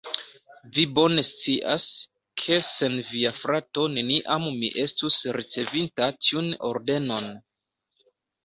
Vi bone scias, ke sen via frato neniam mi estus ricevinta tiun ordenon.